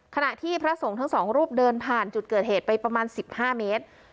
ขณะที่พระสงฆ์ทั้งสองรูปเดินผ่านจุดเกิดเหตุไปประมาณ๑๕เมตร